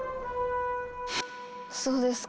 そうですか。